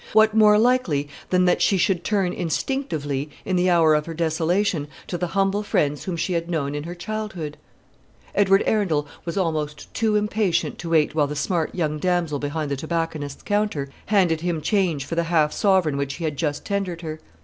What more likely than that she should turn instinctively, in the hour of her desolation, to the humble friends whom she had known in her childhood? Edward Arundel was almost too impatient to wait while the smart young damsel behind the tobacconist's counter handed him change for the half sovereign which he had just tendered her.